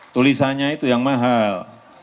tulisannya itu yang mahal